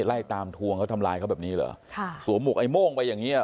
ไล่ตามทวงเขาทำร้ายเขาแบบนี้เหรอค่ะสวมหวกไอ้โม่งไปอย่างเงี้อ่ะ